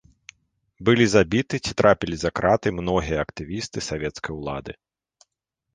Былі забіты ці трапілі за краты многія актывісты савецкай улады.